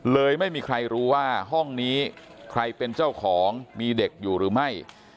เลยไม่มีใครรู้ว่าห้องนี้ใครเป็นเจ้าของมีเด็กอยู่หรือไม่